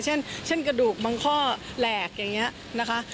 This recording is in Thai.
เช่นกระดูกบางข้อแหลกอย่างนี้นะคะ